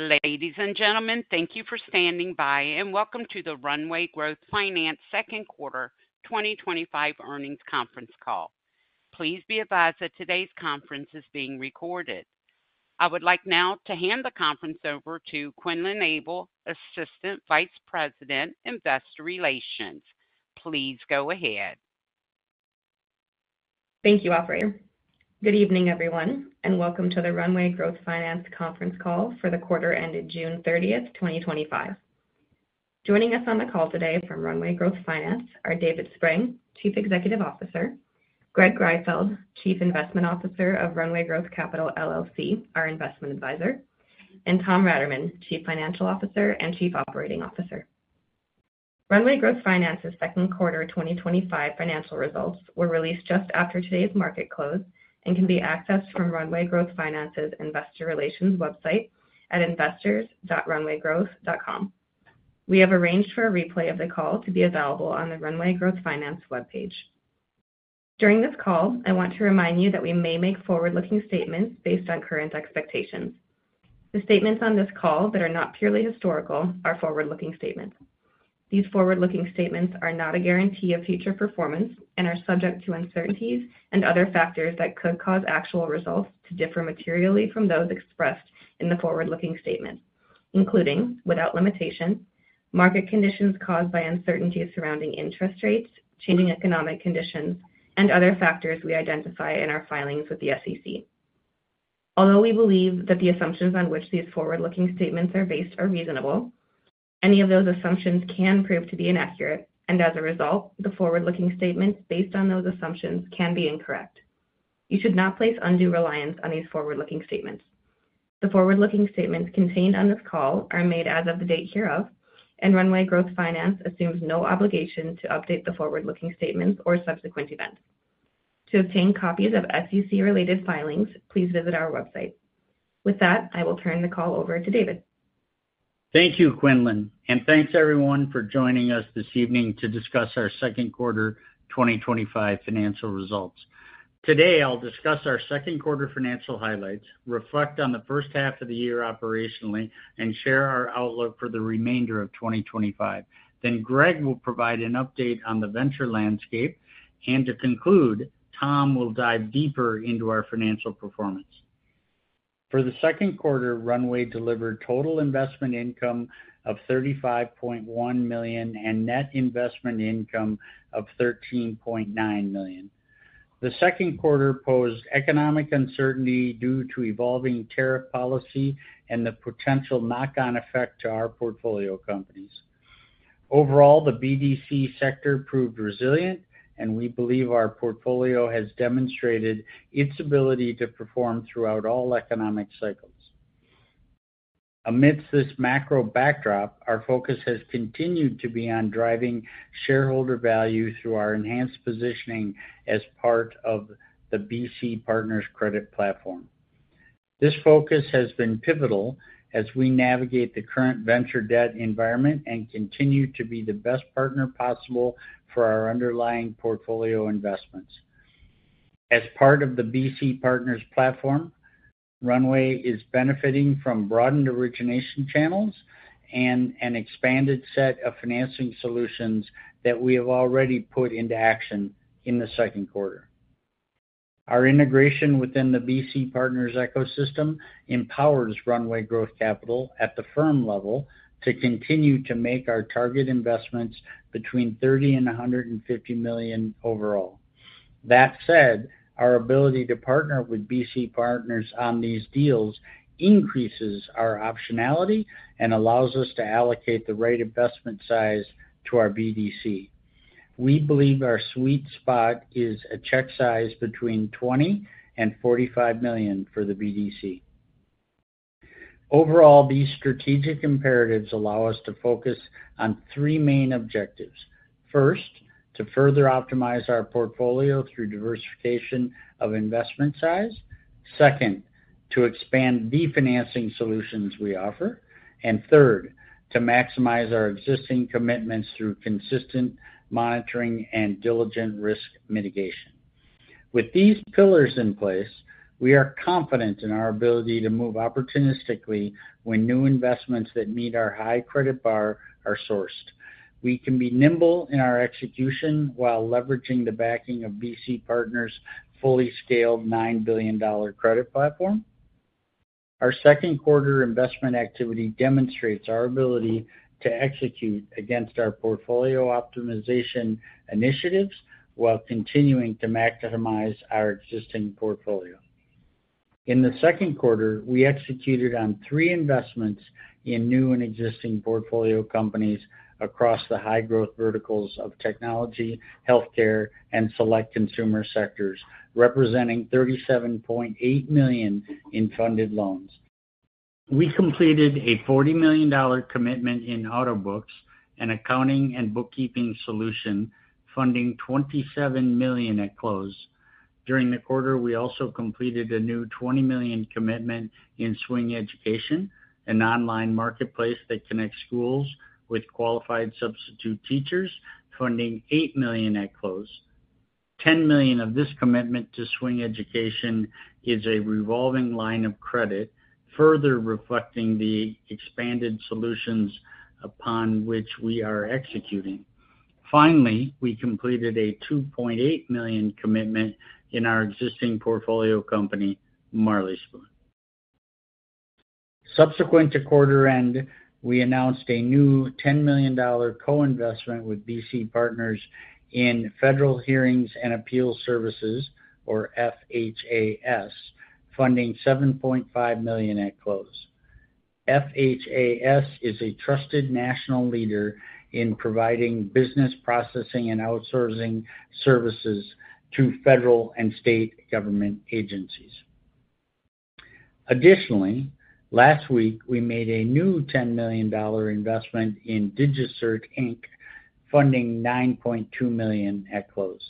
Ladies and gentlemen, thank you for standing by and welcome to the Runway Growth Finance Second Quarter 2025 Earnings Conference Call. Please be advised that today's conference is being recorded. I would like now to hand the conference over to Quinlan Abel, Assistant Vice President, Investor Relations. Please go ahead. Thank you, Alfred. Good evening, everyone, and welcome to the Runway Growth Finance Conference Call for the Quarter Ended June 30, 2025. Joining us on the call today from Runway Growth Finance are David Spreng, Chief Executive Officer; Greg Greifeld, Chief Investment Officer of Runway Growth Capital LLC, our investment advisor; and Thomas Raterman, Chief Financial Officer and Chief Operating Officer. Runway Growth Finance's second quarter 2025 financial results were released just after today's market close and can be accessed from Runway Growth Finance's Investor Relations website at investors.runwaygrowth.com. We have arranged for a replay of the call to be available on the Runway Growth Finance webpage. During this call, I want to remind you that we may make forward-looking statements based on current expectations. The statements on this call that are not purely historical are forward-looking statements. These forward-looking statements are not a guarantee of future performance and are subject to uncertainties and other factors that could cause actual results to differ materially from those expressed in the forward-looking statements, including without limitation, market conditions caused by uncertainty surrounding interest rates, changing economic conditions, and other factors we identify in our filings with the SEC. Although we believe that the assumptions on which these forward-looking statements are based are reasonable, any of those assumptions can prove to be inaccurate, and as a result, the forward-looking statements based on those assumptions can be incorrect. You should not place undue reliance on these forward-looking statements. The forward-looking statements contained on this call are made as of the date hereof, and Runway Growth Finance assumes no obligation to update the forward-looking statements or subsequent events. To obtain copies of SEC-related filings, please visit our website. With that, I will turn the call over to David. Thank you, Quinlan, and thanks everyone for joining us this evening to discuss our second quarter 2025 financial results. Today, I'll discuss our second quarter financial highlights, reflect on the first half of the year operationally, and share our outlook for the remainder of 2025. Greg will provide an update on the venture landscape, and to conclude, Tom will dive deeper into our financial performance. For the second quarter, Runway delivered total investment income of $35.1 million and net investment income of $13.9 million. The second quarter posed economic uncertainty due to evolving tariff policy and the potential knock-on effect to our portfolio companies. Overall, the BDC sector proved resilient, and we believe our portfolio has demonstrated its ability to perform throughout all economic cycles. Amidst this macro backdrop, our focus has continued to be on driving shareholder value through our enhanced positioning as part of the BC Partners Credit platform. This focus has been pivotal as we navigate the current venture debt environment and continue to be the best partner possible for our underlying portfolio investments. As part of the BC Partners Credit platform, Runway is benefiting from broadened origination channels and an expanded set of financing solutions that we have already put into action in the second quarter. Our integration within the BC Partners ecosystem empowers Runway Growth Capital at the firm level to continue to make our target investments between $30 million and $150 million overall. That said, our ability to partner with BC Partners on these deals increases our optionality and allows us to allocate the right investment size to our BDC. We believe our sweet spot is a check size between $20 million and $45 million for the BDC. Overall, these strategic imperatives allow us to focus on three main objectives: first, to further optimize our portfolio through diversification of investment size; second, to expand the financing solutions we offer; and third, to maximize our existing commitments through consistent monitoring and diligent risk mitigation. With these pillars in place, we are confident in our ability to move opportunistically when new investments that meet our high credit bar are sourced. We can be nimble in our execution while leveraging the backing of BC Partners' fully scaled $9 billion credit platform. Our second quarter investment activity demonstrates our ability to execute against our portfolio optimization initiatives while continuing to maximize our existing portfolio. In the second quarter, we executed on three investments in new and existing portfolio companies across the high-growth verticals of technology, healthcare, and select consumer sectors, representing $37.8 million in funded loans. We completed a $40 million commitment in Autobooks, an accounting and bookkeeping solution, funding $27 million at close. During the quarter, we also completed a new $20 million commitment in Swing Education, an online marketplace that connects schools with qualified substitute teachers, funding $8 million at close. $10 million of this commitment to Swing Education is a revolving line of credit, further reflecting the expanded solutions upon which we are executing. Finally, we completed a $2.8 million commitment in our existing portfolio company, Marley Spoon. Subsequent to quarter end, we announced a new $10 million co-investment with BC Partners in Federal Hearings and Appeals Services, or FHAS, funding $7.5 million at close. FHAS is a trusted national leader in providing business processing and outsourcing services to federal and state government agencies. Additionally, last week, we made a new $10 million investment in DigiCert Inc., funding $9.2 million at close.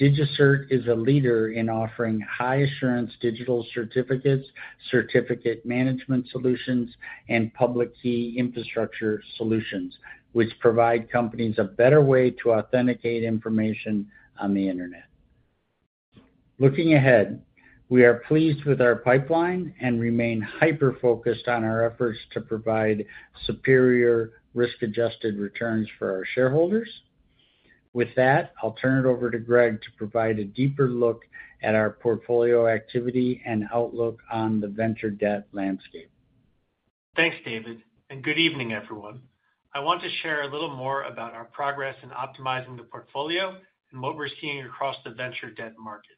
DigiCert is a leader in offering high-assurance digital certificates, certificate management solutions, and public key infrastructure solutions, which provide companies a better way to authenticate information on the internet. Looking ahead, we are pleased with our pipeline and remain hyper-focused on our efforts to provide superior risk-adjusted returns for our shareholders. With that, I'll turn it over to Greg to provide a deeper look at our portfolio activity and outlook on the venture debt landscape. Thanks, David, and good evening, everyone. I want to share a little more about our progress in optimizing the portfolio and what we're seeing across the venture debt market.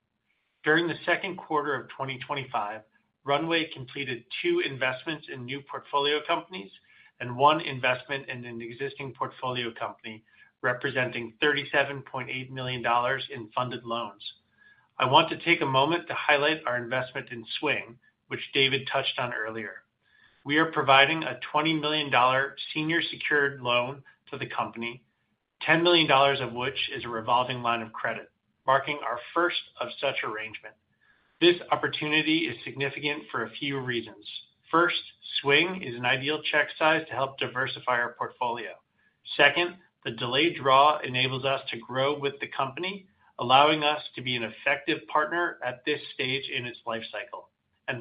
During the second quarter of 2025, Runway completed two investments in new portfolio companies and one investment in an existing portfolio company, representing $37.8 million in funded loans. I want to take a moment to highlight our investment in Swing Education, which David touched on earlier. We are providing a $20 million senior-secured loan to the company, $10 million of which is a revolving line of credit, marking our first of such arrangements. This opportunity is significant for a few reasons. First, Swing is an ideal check size to help diversify our portfolio. Second, the delayed draw enables us to grow with the company, allowing us to be an effective partner at this stage in its lifecycle.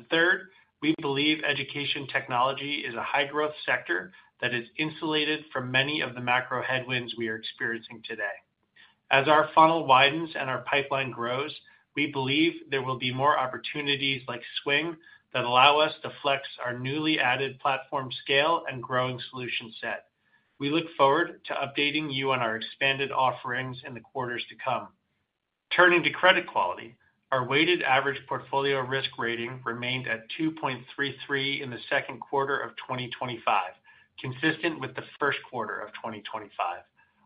Third, we believe education technology is a high-growth sector that is insulated from many of the macro headwinds we are experiencing today. As our funnel widens and our pipeline grows, we believe there will be more opportunities like Swing that allow us to flex our newly added platform scale and growing solution set. We look forward to updating you on our expanded offerings in the quarters to come. Turning to credit quality, our weighted average portfolio risk rating remained at 2.33 in the second quarter of 2025, consistent with the first quarter of 2025.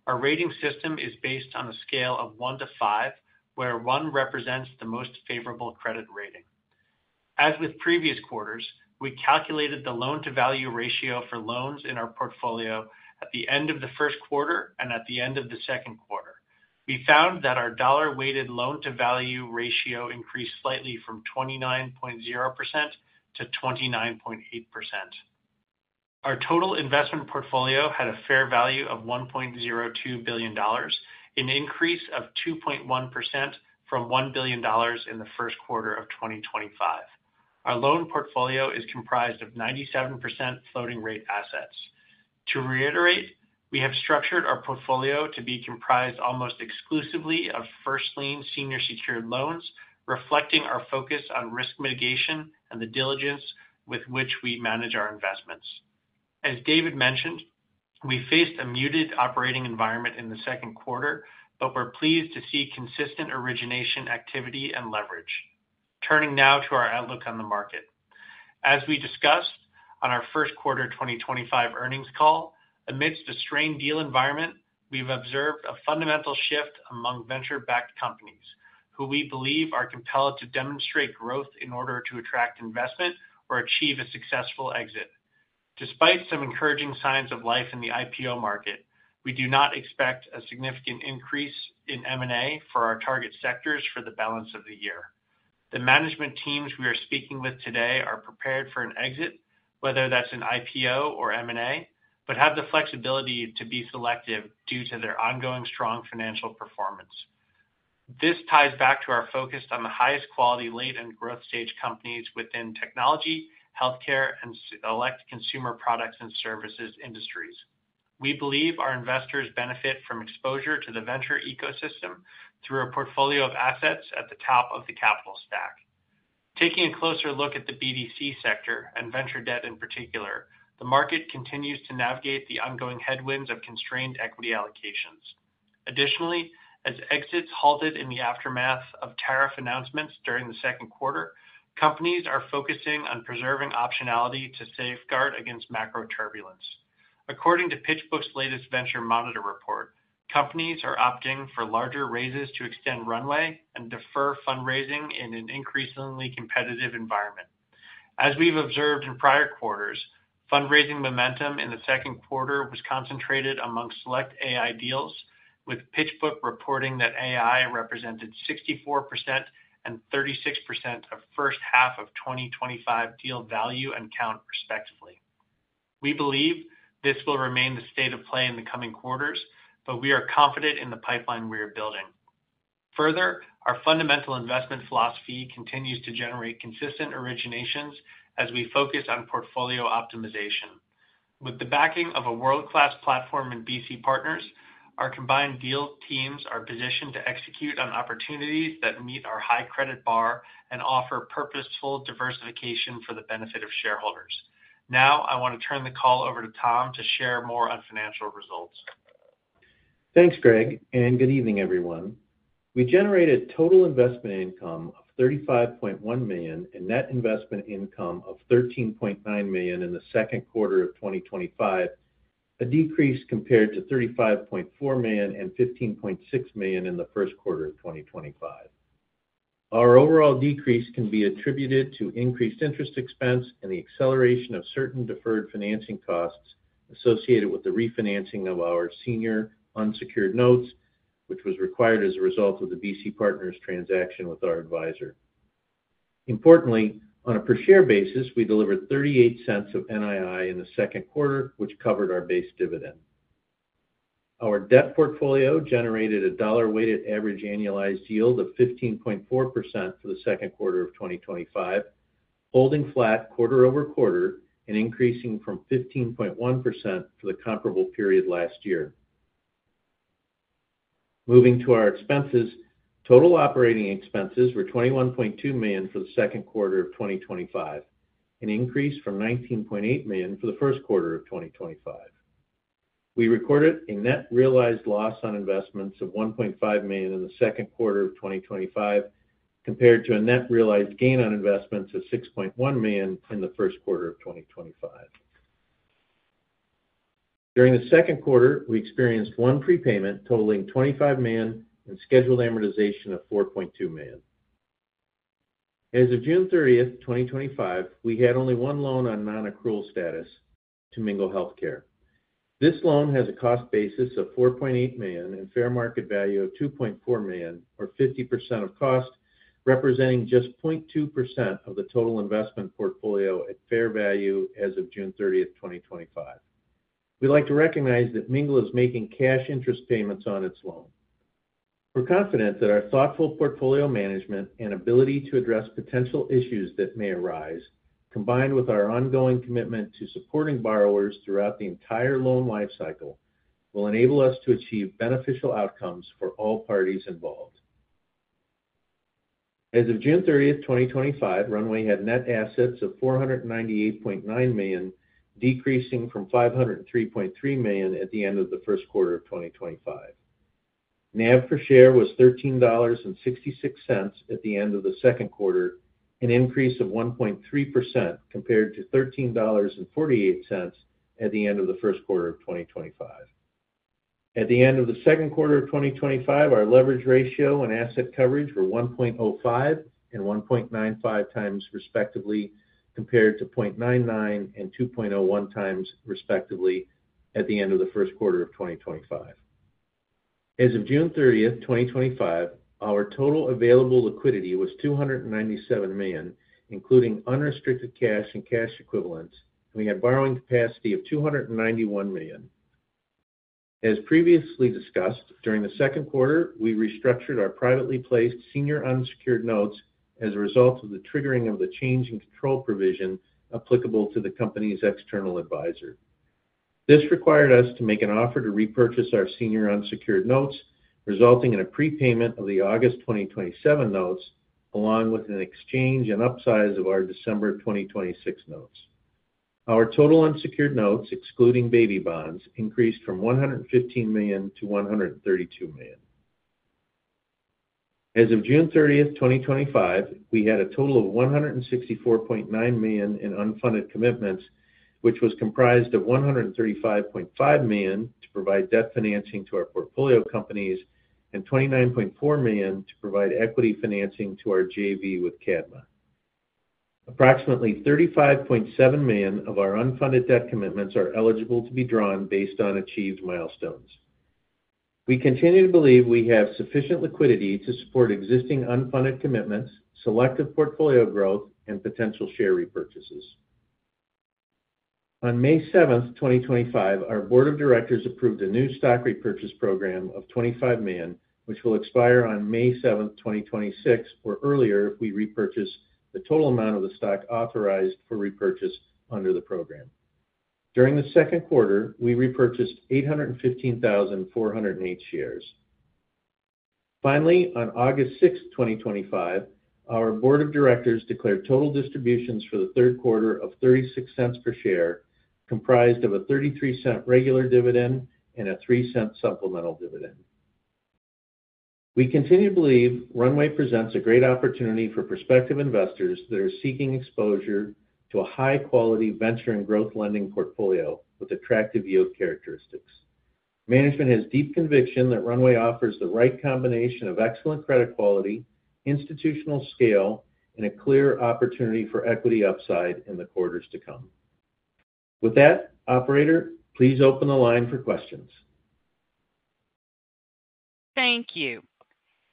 Our rating system is based on a scale of one to five, where one represents the most favorable credit rating. As with previous quarters, we calculated the loan-to-value ratio for loans in our portfolio at the end of the first quarter and at the end of the second quarter. We found that our dollar-weighted loan-to-value ratio increased slightly from 29.0% to 29.8%. Our total investment portfolio had a fair value of $1.02 billion, an increase of 2.1% from $1 billion in the first quarter of 2025. Our loan portfolio is comprised of 97% floating-rate assets. To reiterate, we have structured our portfolio to be comprised almost exclusively of first lien senior-secured loans, reflecting our focus on risk mitigation and the diligence with which we manage our investments. As David mentioned, we faced a muted operating environment in the second quarter, but we're pleased to see consistent origination activity and leverage. Turning now to our outlook on the market. As we discussed on our first quarter 2025 earnings call, amidst a strained deal environment, we've observed a fundamental shift among venture-backed companies, who we believe are compelled to demonstrate growth in order to attract investment or achieve a successful exit. Despite some encouraging signs of life in the IPO market, we do not expect a significant increase in M&A for our target sectors for the balance of the year. The management teams we are speaking with today are prepared for an exit, whether that's an IPO or M&A, but have the flexibility to be selective due to their ongoing strong financial performance. This ties back to our focus on the highest quality late and growth stage companies within technology, healthcare, and select consumer products and services industries. We believe our investors benefit from exposure to the venture ecosystem through a portfolio of assets at the top of the capital stack. Taking a closer look at the BDC sector and venture debt in particular, the market continues to navigate the ongoing headwinds of constrained equity allocations. Additionally, as exits halted in the aftermath of tariff announcements during the second quarter, companies are focusing on preserving optionality to safeguard against macro turbulence. According to PitchBook's latest Venture Monitor report, companies are opting for larger raises to extend runway and defer fundraising in an increasingly competitive environment. As we've observed in prior quarters, fundraising momentum in the second quarter was concentrated among select AI deals, with PitchBook reporting that AI represented 64% and 36% of the first half of 2025 deal value and count, respectively. We believe this will remain the state of play in the coming quarters, but we are confident in the pipeline we are building. Further, our fundamental investment philosophy continues to generate consistent originations as we focus on portfolio optimization. With the backing of a world-class platform in BC Partners, our combined deal teams are positioned to execute on opportunities that meet our high credit bar and offer purposeful diversification for the benefit of shareholders. Now, I want to turn the call over to Tom to share more on financial results. Thanks, Greg, and good evening, everyone. We generated total investment income of $35.1 million and net investment income of $13.9 million in the second quarter of 2025, a decrease compared to $35.4 million and $15.6 million in the first quarter of 2025. Our overall decrease can be attributed to increased interest expense and the acceleration of certain deferred financing costs associated with the refinancing of our senior unsecured notes, which was required as a result of the BC Partners transaction with our advisor. Importantly, on a per share basis, we delivered $0.38 of NII in the second quarter, which covered our base dividend. Our debt portfolio generated a dollar-weighted average annualized yield of 15.4% for the second quarter of 2025, holding flat quarter-over-quarter and increasing from 15.1% for the comparable period last year. Moving to our expenses, total operating expenses were $21.2 million for the second quarter of 2025, an increase from $19.8 million for the first quarter of 2025. We recorded a net realized loss on investments of $1.5 million in the second quarter of 2025, compared to a net realized gain on investments of $6.1 million in the first quarter of 2025. During the second quarter, we experienced one prepayment totaling $25 million and scheduled amortization of $4.2 million. As of June 30, 2025, we had only one loan on non-accrual status to Mingle Healthcare. This loan has a cost basis of $4.8 million and a fair market value of $2.4 million, or 50% of cost, representing just 0.2% of the total investment portfolio at fair value as of June 30, 2025. We'd like to recognize that Mingle is making cash interest payments on its loan. We're confident that our thoughtful portfolio management and ability to address potential issues that may arise, combined with our ongoing commitment to supporting borrowers throughout the entire loan lifecycle, will enable us to achieve beneficial outcomes for all parties involved. As of June 30, 2025, Runway had net assets of $498.9 million, decreasing from $503.3 million at the end of the first quarter of 2025. NAV per share was $13.66 at the end of the second quarter, an increase of 1.3% compared to $13.48 at the end of the first quarter of 2025. At the end of the second quarter of 2025, our leverage ratio and asset coverage were 1.05x and 1.95x, respectively, compared to 0.99x and 2.01x, respectively, at the end of the first quarter of 2025. As of June 30, 2025, our total available liquidity was $297 million, including unrestricted cash and cash equivalents, and we had a borrowing capacity of $291 million. As previously discussed, during the second quarter, we restructured our privately placed senior unsecured notes as a result of the triggering of the change in control provision applicable to the company's external advisor. This required us to make an offer to repurchase our senior unsecured notes, resulting in a prepayment of the August 2027 notes, along with an exchange and upsize of our December 2026 notes. Our total unsecured notes, excluding baby bonds, increased from $115 million to $132 million. As of June 30, 2025, we had a total of $164.9 million in unfunded commitments, which was comprised of $135.5 million to provide debt financing to our portfolio companies and $29.4 million to provide equity financing to our JV with Cadma. Approximately $35.7 million of our unfunded debt commitments are eligible to be drawn based on achieved milestones. We continue to believe we have sufficient liquidity to support existing unfunded commitments, selective portfolio growth, and potential share repurchases. On May 7, 2025, our Board of Directors approved a new stock repurchase program of $25 million, which will expire on May 7, 2026, or earlier if we repurchase the total amount of the stock authorized for repurchase under the program. During the second quarter, we repurchased 815,408 shares. Finally, on August 6, 2025, our Board of Directors declared total distributions for the third quarter of $0.36 per share, comprised of a $0.33 regular dividend and a $0.03 supplemental dividend. We continue to believe Runway presents a great opportunity for prospective investors that are seeking exposure to a high-quality venture and growth lending portfolio with attractive yield characteristics. Management has a deep conviction that Runway offers the right combination of excellent credit quality, institutional scale, and a clear opportunity for equity upside in the quarters to come. With that, operator, please open the line for questions. Thank you.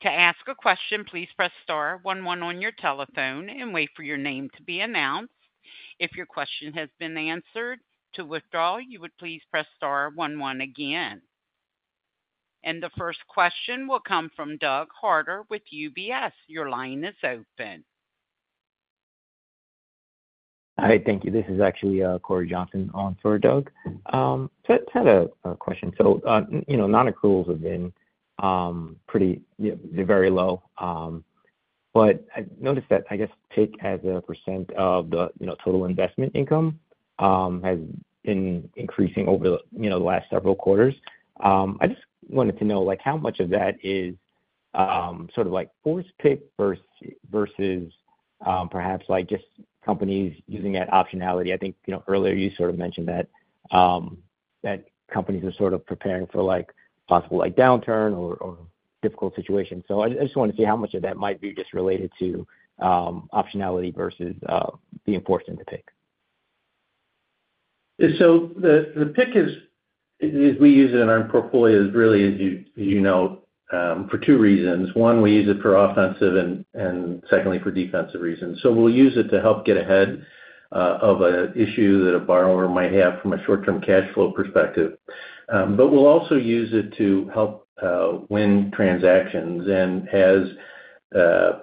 To ask a question, please press star one one on your telephone and wait for your name to be announced. If your question has been answered, to withdraw, you would please press star one one again. The first question will come from Douglas Harter with UBS. Your line is open. All right, thank you. This is actually Cory Johnson on for Doug. I had a question. Non-accruals have been pretty, they're very low. I noticed that I guess PIK, as a percent of the total investment income, has been increasing over the last several quarters. I just wanted to know how much of that is sort of like forced PIK versus perhaps just companies using that optionality. I think earlier you mentioned that companies are sort of preparing for possible downturn or difficult situations. I just wanted to see how much of that might be just related to optionality versus being forced into PIK. The PIK, as we use it in our portfolio, really, as you know, for two reasons. One, we use it for offensive and secondly for defensive reasons. We use it to help get ahead of an issue that a borrower might have from a short-term cash flow perspective. We also use it to help win transactions. As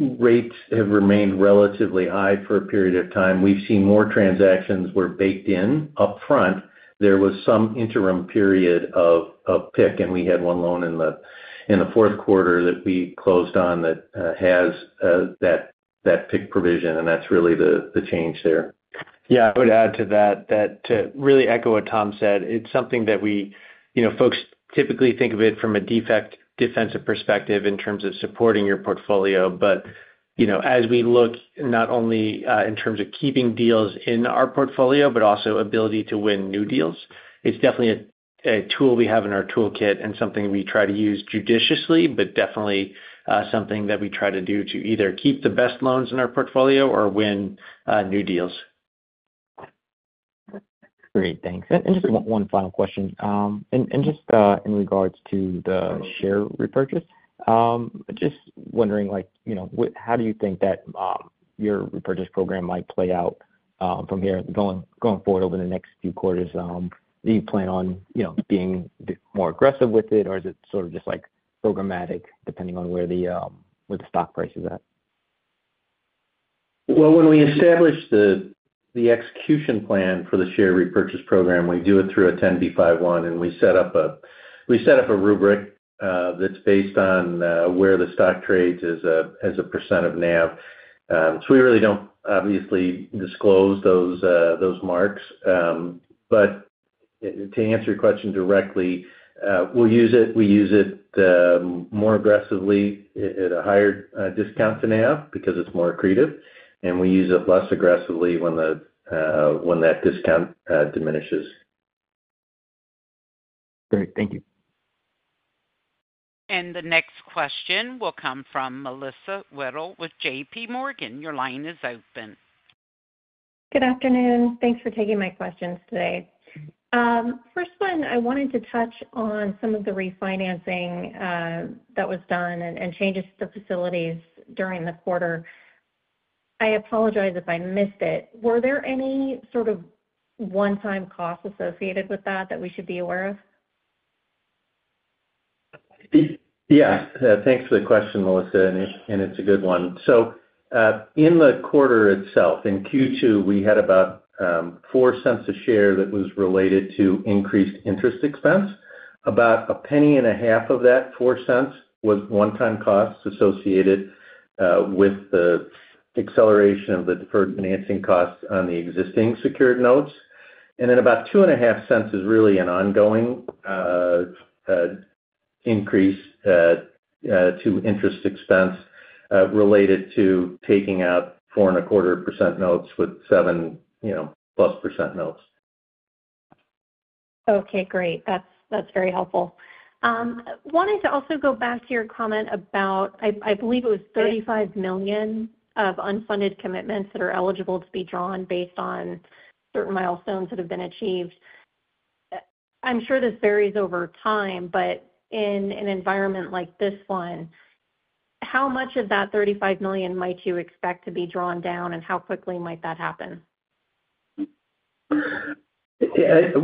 rates have remained relatively high for a period of time, we've seen more transactions where, baked in upfront, there was some interim period of PIK. We had one loan in the fourth quarter that we closed on that has that PIK provision. That's really the change there. Yeah, I would add to that, to really echo what Tom said, it's something that we, you know, folks typically think of it from a defensive perspective in terms of supporting your portfolio. As we look not only in terms of keeping deals in our portfolio, but also the ability to win new deals, it's definitely a tool we have in our toolkit and something we try to use judiciously, but definitely something that we try to do to either keep the best loans in our portfolio or win new deals. Great, thanks. Just one final question. Just in regards to the share repurchase, I'm just wondering, like, you know, how do you think that your repurchase program might play out from here going forward over the next few quarters? Do you plan on, you know, being more aggressive with it, or is it sort of just like programmatic depending on where the stock price is at? When we establish the execution plan for the share repurchase program, we do it through a 10b5-1, and we set up a rubric that's based on where the stock trades as a percent of NAV. We really don't obviously disclose those marks. To answer your question directly, we'll use it. We use it more aggressively at a higher discount to NAV because it's more accretive, and we use it less aggressively when that discount diminishes. Great, thank you. The next question will come from Melissa Wedel with JPMorgan. Your line is open. Good afternoon. Thanks for taking my questions today. First one, I wanted to touch on some of the refinancing that was done and changes to the facilities during the quarter. I apologize if I missed it. Were there any sort of one-time costs associated with that that we should be aware of? Thanks for the question, Melissa, and it's a good one. In the quarter itself, in Q2, we had about $0.04 a share that was related to increased interest expense. About $0.015 of that $0.04 was one-time costs associated with the acceleration of the deferred financing costs on the existing secured notes. About $0.02 is really an ongoing increase to interest expense related to taking out 4.25% notes with 7%+ notes. Okay, great. That's very helpful. I wanted to also go back to your comment about, I believe it was $35 million of unfunded commitments that are eligible to be drawn based on certain milestones that have been achieved. I'm sure this varies over time, but in an environment like this one, how much of that $35 million might you expect to be drawn down and how quickly might that happen? It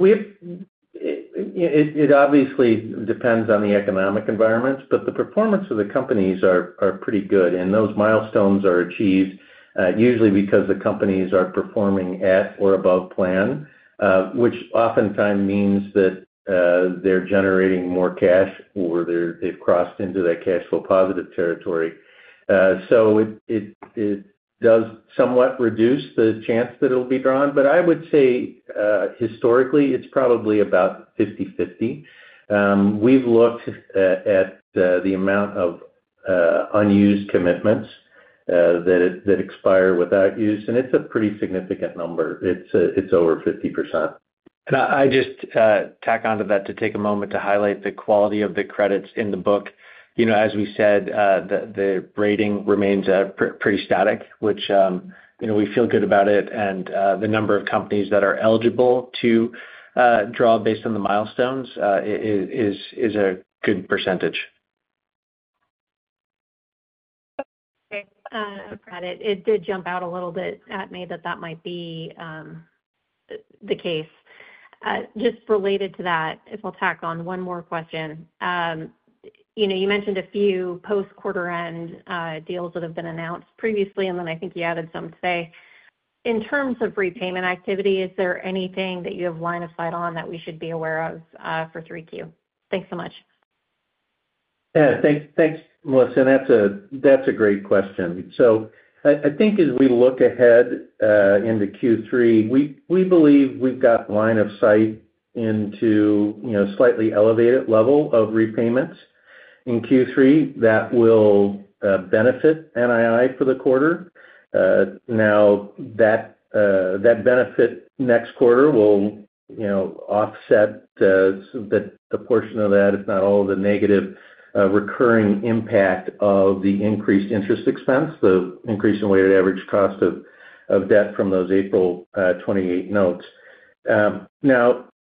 obviously depends on the economic environment, but the performance of the companies is pretty good, and those milestones are achieved usually because the companies are performing at or above plan, which oftentimes means that they're generating more cash or they've crossed into that cash flow positive territory. It does somewhat reduce the chance that it'll be drawn, but I would say historically, it's probably about 50/50. We've looked at the amount of unused commitments that expire without use, and it's a pretty significant number. It's over 50%. I just tack on to that to take a moment to highlight the quality of the credits in the book. You know, as we said, the rating remains pretty static, which, you know, we feel good about it. The number of companies that are eligible to draw based on the milestones is a good percentage. Okay, got it. It did jump out a little bit at me that that might be the case. Just related to that, if I'll tack on one more question. You know, you mentioned a few post-quarter end deals that have been announced previously, and then I think you added some today. In terms of repayment activity, is there anything that you have line of sight on that we should be aware of for 3Q? Thanks so much. Yeah, thanks, Melissa. That's a great question. I think as we look ahead into Q3, we believe we've got line of sight into a slightly elevated level of repayments in Q3 that will benefit NII for the quarter. That benefit next quarter will offset a portion of that, if not all of the negative recurring impact of the increased interest expense, the increase in weighted average cost of debt from those April 28 notes.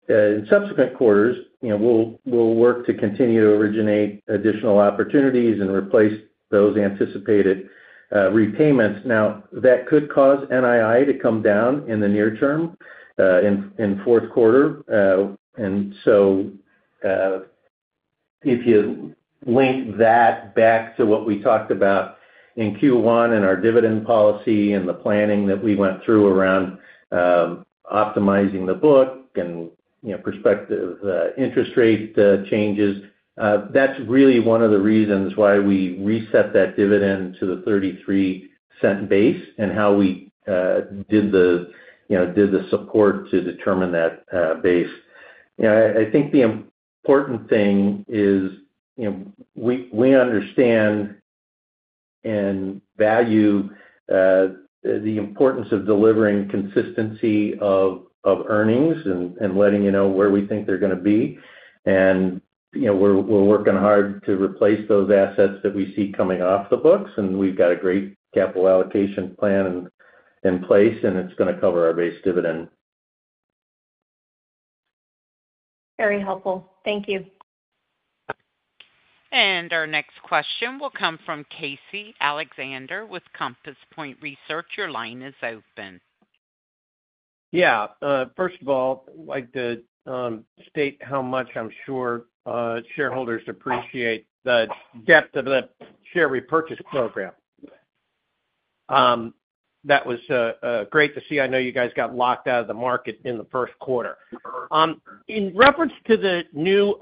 In subsequent quarters, we'll work to continue to originate additional opportunities and replace those anticipated repayments. That could cause NII to come down in the near term in the fourth quarter. If you link that back to what we talked about in Q1 and our dividend policy and the planning that we went through around optimizing the book and prospective interest rate changes, that's really one of the reasons why we reset that dividend to the $0.33 base and how we did the support to determine that base. I think the important thing is we understand and value the importance of delivering consistency of earnings and letting you know where we think they're going to be. We're working hard to replace those assets that we see coming off the books, and we've got a great capital allocation plan in place, and it's going to cover our base dividend. Very helpful. Thank you. Our next question will come from Casey Alexander with Compass Point Research. Your line is open. First of all, I'd like to state how much I'm sure shareholders appreciate the depth of the share repurchase program. That was great to see. I know you guys got locked out of the market in the first quarter. In reference to the new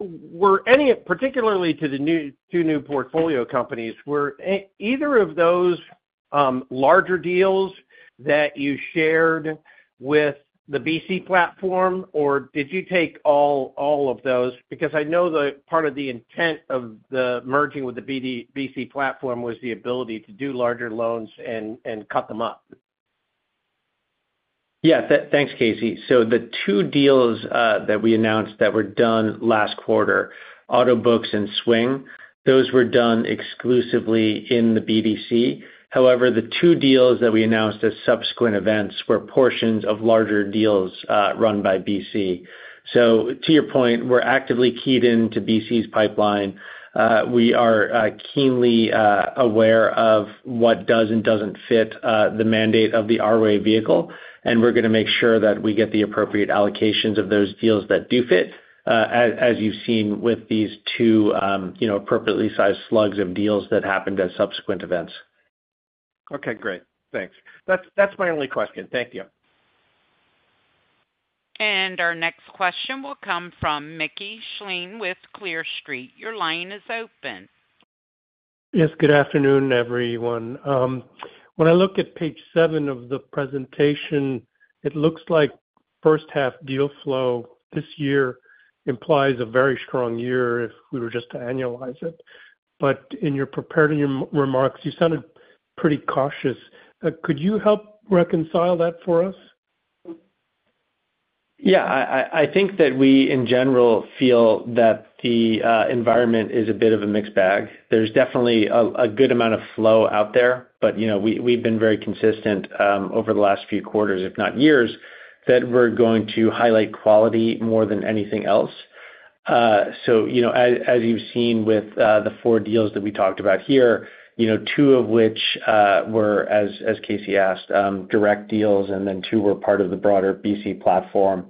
originations, were any, particularly to the two new portfolio companies, were either of those larger deals that you shared with the BC Partners Credit platform, or did you take all of those? I know that part of the intent of merging with the BC Partners Credit Platform was the ability to do larger loans and cut them up. Yeah, thanks, Casey. The two deals that we announced that were done last quarter, Autobooks and Swing Education, were done exclusively in the BDC. However, the two deals that we announced as subsequent events were portions of larger deals run by BC Partners. To your point, we're actively keyed into BC Partners' pipeline. We are keenly aware of what does and doesn't fit the mandate of the RWAY vehicle, and we're going to make sure that we get the appropriate allocations of those deals that do fit, as you've seen with these two, appropriately sized slugs of deals that happened as subsequent events. Okay, great. Thanks. That's my only question. Thank you. Our next question will come from Mickey Schleien with Clear Street. Your line is open. Yes, good afternoon, everyone. When I look at page seven of the presentation, it looks like first half deal flow this year implies a very strong year if we were just to annualize it. In your prepared remarks, you sounded pretty cautious. Could you help reconcile that for us? Yeah, I think that we, in general, feel that the environment is a bit of a mixed bag. There's definitely a good amount of flow out there, but we've been very consistent over the last few quarters, if not years, that we're going to highlight quality more than anything else. As you've seen with the four deals that we talked about here, two of which were, as Casey asked, direct deals, and then two were part of the broader BC Partners Credit platform.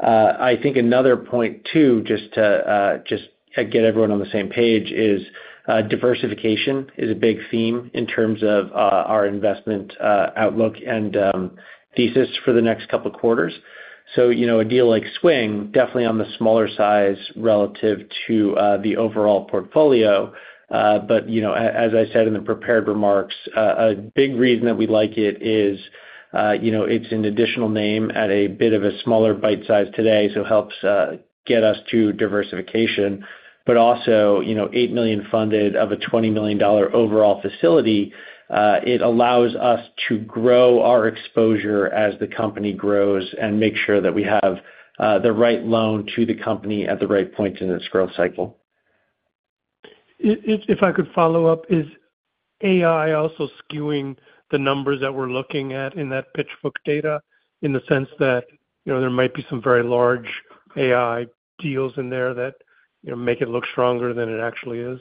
I think another point, just to get everyone on the same page, is diversification is a big theme in terms of our investment outlook and thesis for the next couple of quarters. A deal like Swing, definitely on the smaller size relative to the overall portfolio. As I said in the prepared remarks, a big reason that we like it is it's an additional name at a bit of a smaller bite size today, so it helps get us to diversification. Also, $8 million funded of a $20 million overall facility allows us to grow our exposure as the company grows and make sure that we have the right loan to the company at the right points in its growth cycle. If I could follow up, is AI also skewing the numbers that we're looking at in that PitchBook data in the sense that there might be some very large AI deals in there that make it look stronger than it actually is?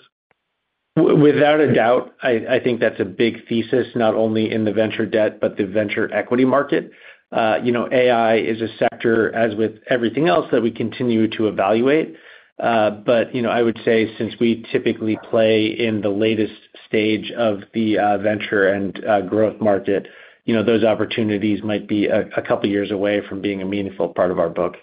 Without a doubt, I think that's a big thesis, not only in the venture debt, but the venture equity market. AI is a sector, as with everything else, that we continue to evaluate. I would say since we typically play in the latest stage of the venture and growth market, those opportunities might be a couple of years away from being a meaningful part of our book.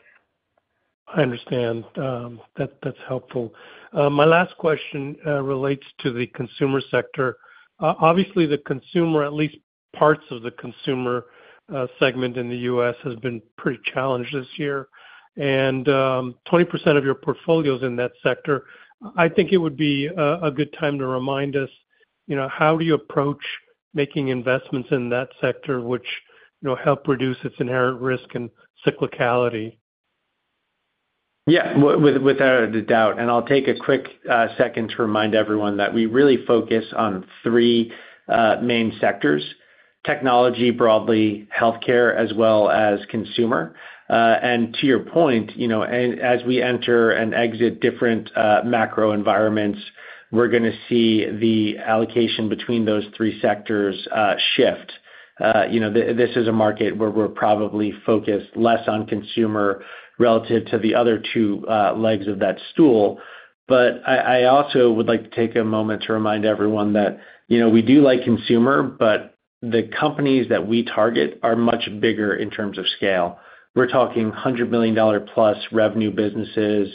I understand. That's helpful. My last question relates to the consumer sector. Obviously, the consumer, at least parts of the consumer segment in the U.S., has been pretty challenged this year. 20% of your portfolio is in that sector. I think it would be a good time to remind us, you know, how do you approach making investments in that sector, which help reduce its inherent risk and cyclicality? Yeah, without a doubt. I'll take a quick second to remind everyone that we really focus on three main sectors: technology broadly, healthcare, as well as consumer. To your point, as we enter and exit different macro environments, we're going to see the allocation between those three sectors shift. This is a market where we're probably focused less on consumer relative to the other two legs of that stool. I also would like to take a moment to remind everyone that we do like consumer, but the companies that we target are much bigger in terms of scale. We're talking $100 million plus revenue businesses,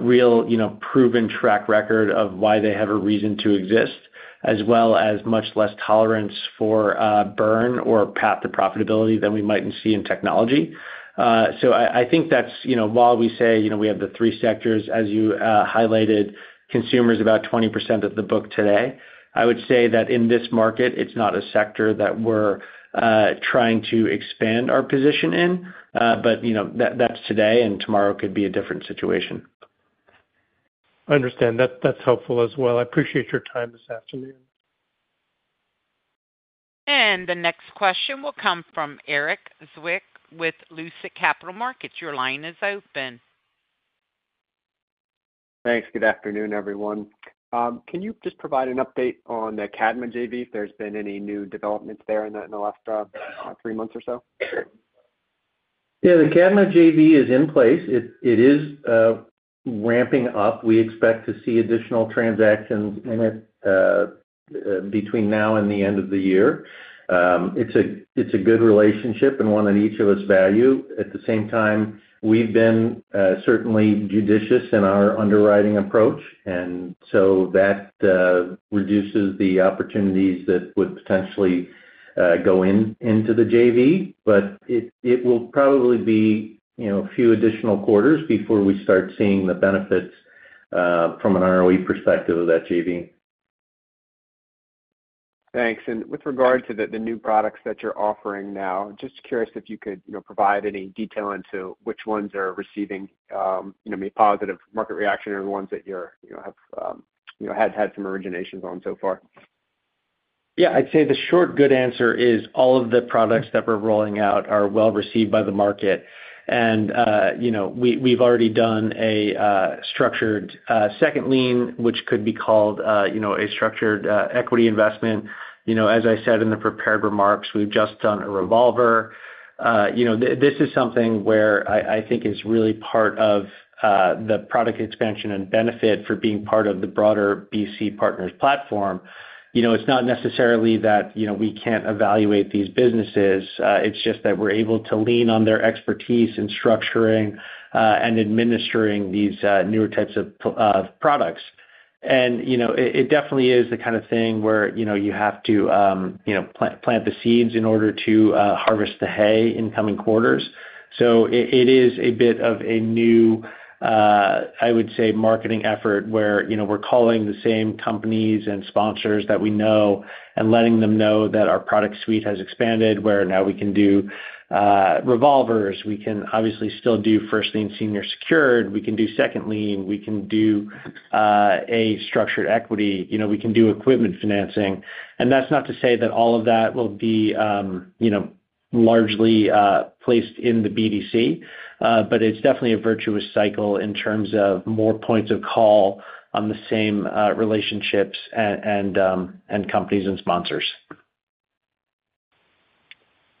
real, proven track record of why they have a reason to exist, as well as much less tolerance for burn or path to profitability than we might see in technology. I think that's, while we say we have the three sectors, as you highlighted, consumer is about 20% of the book today. I would say that in this market, it's not a sector that we're trying to expand our position in. That's today, and tomorrow could be a different situation. I understand. That's helpful as well. I appreciate your time this afternoon. The next question will come from Erik Zwick with Lucid Capital Markets. Your line is open. Thanks. Good afternoon, everyone. Can you just provide an update on the Cadma JV if there's been any new developments there in the last three months or so? Yeah, the Cadma JV is in place. It is ramping up. We expect to see additional transactions in it between now and the end of the year. It's a good relationship and one that each of us value. At the same time, we've been certainly judicious in our underwriting approach, and that reduces the opportunities that would potentially go into the JV. It will probably be a few additional quarters before we start seeing the benefits from an ROE perspective of that JV. Thanks. With regard to the new products that you're offering now, just curious if you could provide any detail into which ones are receiving positive market reaction or the ones that you have had some originations on so far. I'd say the short good answer is all of the products that we're rolling out are well received by the market. We've already done a structured second lien, which could be called a structured equity investment. As I said in the prepared remarks, we've just done a revolver. This is something where I think is really part of the product expansion and benefit for being part of the broader BC Partners platform. It's not necessarily that we can't evaluate these businesses. It's just that we're able to lean on their expertise in structuring and administering these newer types of products. It definitely is the kind of thing where you have to plant the seeds in order to harvest the hay in coming quarters. It is a bit of a new, I would say, marketing effort where we're calling the same companies and sponsors that we know and letting them know that our product suite has expanded, where now we can do revolvers. We can obviously still do first lien senior-secured. We can do second lien. We can do a structured equity. We can do equipment financing. That's not to say that all of that will be largely placed in the BDC. It's definitely a virtuous cycle in terms of more points of call on the same relationships and companies and sponsors.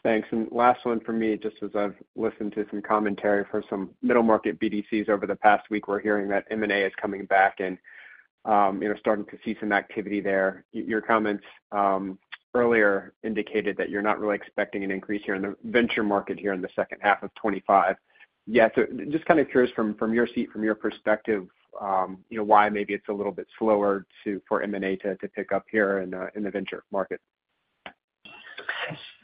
Thanks. Last one for me, just as I've listened to some commentary for some middle market BDCs over the past week, we're hearing that M&A is coming back and, you know, starting to see some activity there. Your comments earlier indicated that you're not really expecting an increase here in the venture market here in the second half of 2025. I'm just kind of curious from your seat, from your perspective, you know, why maybe it's a little bit slower for M&A to pick up here in the venture market.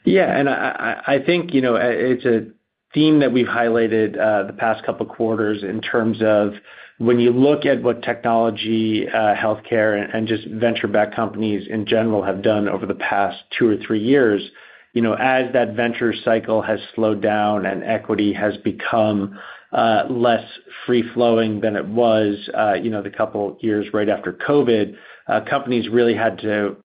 Yeah, I think it's a theme that we've highlighted the past couple of quarters in terms of when you look at what technology, healthcare, and just venture-backed companies in general have done over the past two or three years. As that venture cycle has slowed down and equity has become less free-flowing than it was the couple of years right after COVID, companies really had to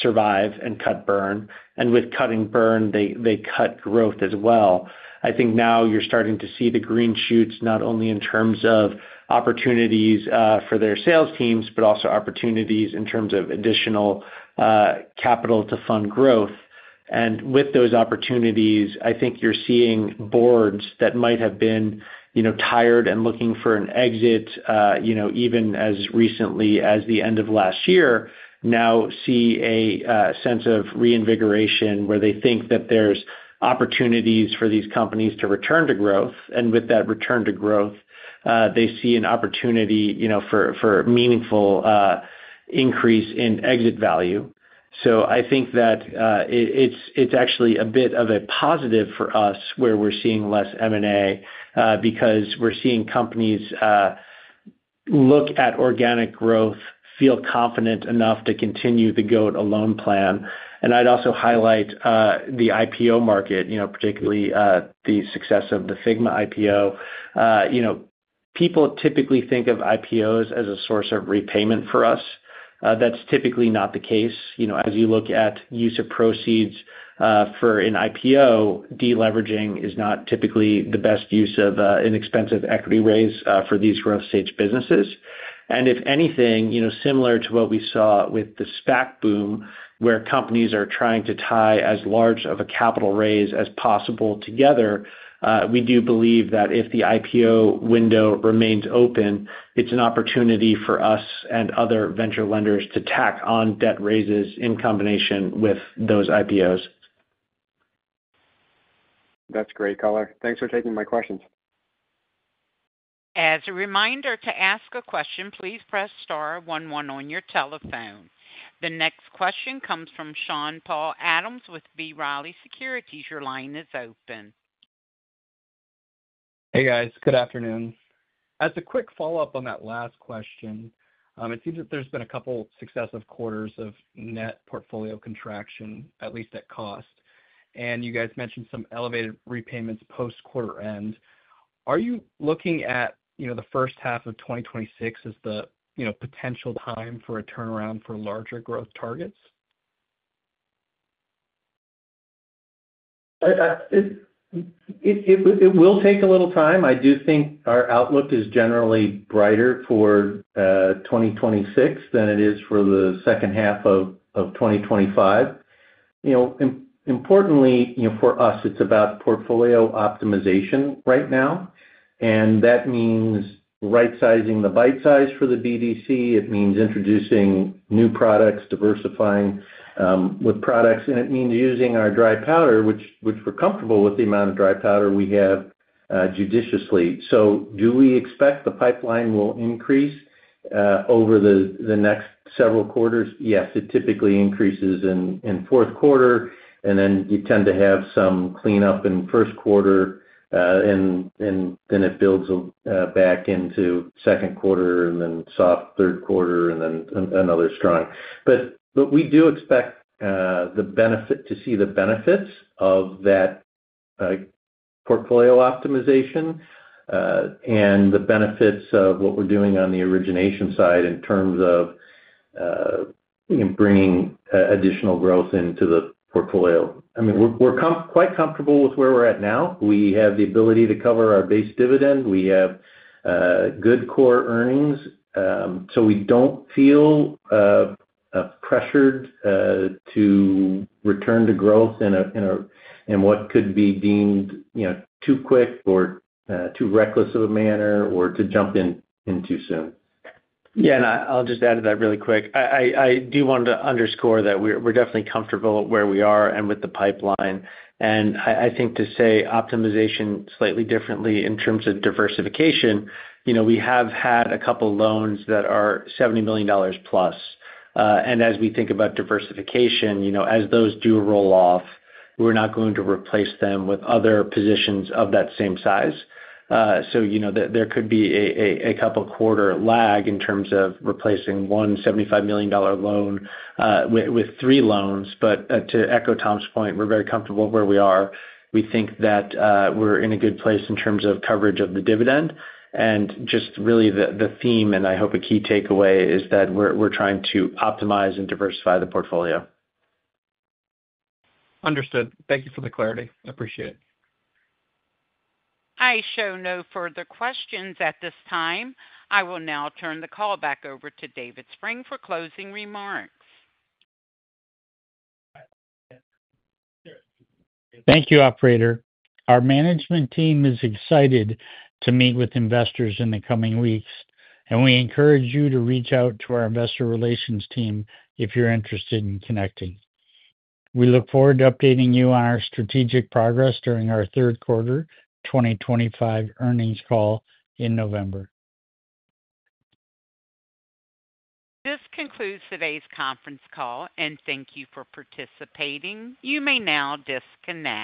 survive and cut burn. With cutting burn, they cut growth as well. I think now you're starting to see the green shoots not only in terms of opportunities for their sales teams, but also opportunities in terms of additional capital to fund growth. With those opportunities, I think you're seeing boards that might have been tired and looking for an exit, even as recently as the end of last year, now see a sense of reinvigoration where they think that there's opportunities for these companies to return to growth. With that return to growth, they see an opportunity for meaningful increase in exit value. I think that it's actually a bit of a positive for us where we're seeing less M&A because we're seeing companies look at organic growth, feel confident enough to continue the go-it-alone plan. I'd also highlight the IPO market, particularly the success of the Figma IPO. People typically think of IPOs as a source of repayment for us. That's typically not the case. As you look at use of proceeds for an IPO, deleveraging is not typically the best use of an expensive equity raise for these growth stage businesses. If anything, similar to what we saw with the SPAC boom, where companies are trying to tie as large of a capital raise as possible together, we do believe that if the IPO window remains open, it's an opportunity for us and other venture lenders to tack on debt raises in combination with those IPOs. That's great, Quinlan. Thanks for taking my questions. As a reminder, to ask a question, please press star one one on your telephone. The next question comes from Sean-Paul Adams with B. Riley Securities. Your line is open. Hey guys, good afternoon. As a quick follow-up on that last question, it seems that there's been a couple of successive quarters of net portfolio contraction, at least at cost. You guys mentioned some elevated repayments post-quarter end. Are you looking at the first half of 2026 as the potential time for a turnaround for larger growth targets? It will take a little time. I do think our outlook is generally brighter for 2026 than it is for the second half of 2025. Importantly, for us, it's about portfolio optimization right now. That means right-sizing the bite size for the BDC. It means introducing new products, diversifying with products, and it means using our dry powder, which we're comfortable with the amount of dry powder we have, judiciously. Do we expect the pipeline will increase over the next several quarters? Yes, it typically increases in the fourth quarter, and then you tend to have some cleanup in the first quarter, and then it builds back into the second quarter, a soft third quarter, and then another strong. We do expect to see the benefits of that portfolio optimization and the benefits of what we're doing on the origination side in terms of bringing additional growth into the portfolio. We're quite comfortable with where we're at now. We have the ability to cover our base dividend. We have good core earnings. We don't feel pressured to return to growth in what could be deemed too quick or too reckless of a manner or to jump in too soon. Yeah, I'll just add to that really quick. I do want to underscore that we're definitely comfortable where we are and with the pipeline. I think to say optimization slightly differently in terms of diversification, we have had a couple of loans that are $70 million plus. As we think about diversification, as those do roll off, we're not going to replace them with other positions of that same size. There could be a couple of quarter lag in terms of replacing one $75 million loan with three loans. To echo Tom's point, we're very comfortable where we are. We think that we're in a good place in terms of coverage of the dividend. The theme, and I hope a key takeaway, is that we're trying to optimize and diversify the portfolio. Understood. Thank you for the clarity. I appreciate it. I show no further questions at this time. I will now turn the call back over to David Spreng for closing remarks. Thank you, operator. Our management team is excited to meet with investors in the coming weeks, and we encourage you to reach out to our investor relations team if you're interested in connecting. We look forward to updating you on our strategic progress during our Third Quarter 2025 Earnings Call in November. This concludes today's conference call, and thank you for participating. You may now disconnect.